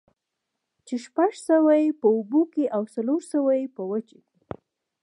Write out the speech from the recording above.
چې شپږ سوه ئې په اوبو كي او څلور سوه ئې په وچه كي